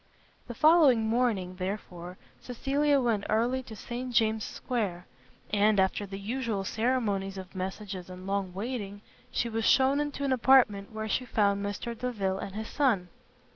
The following morning, therefore, Cecilia went early to St James's square: and, after the usual ceremonies of messages and long waiting, she was shewn into an apartment where she found Mr Delvile and his son.